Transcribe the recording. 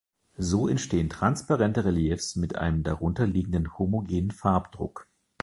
So entstehen transparente Reliefs mit einem darunter liegenden homogenen Farbdruck.